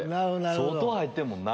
相当入ってるもんな。